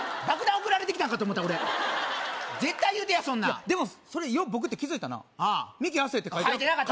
送られてきたんかと思った俺絶対言うてやそんなんでもそれよう僕って気付いたな「ミキ亜生」って書いてなかった